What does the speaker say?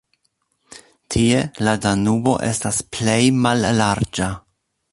Tie la Danubo estas plej mallarĝa.